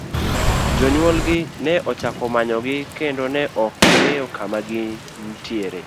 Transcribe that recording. Jonyuol gi ne ochako manyo gi kendo ne ok ging'eyo kama gintiere.